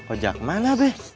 ojak mana be